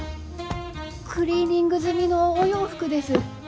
クリーニング済みのお洋服です。